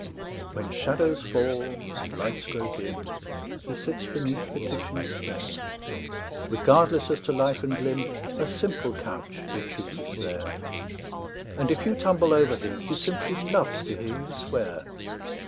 When shadows fall and lights grow dim He sits beneath the kitchen stair; Regardless as to life and limb, A simple couch he chooses there; And if you tumble over him, He simply loves to hear you swear.